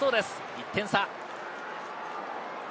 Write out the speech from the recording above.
１点差。